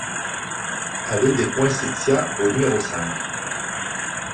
Allée des Poinsettias au numéro cinq